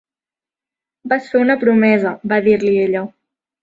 "Vas fer una promesa", va dir-li ella.